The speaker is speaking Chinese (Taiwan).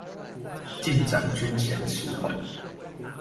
進展均嫌遲緩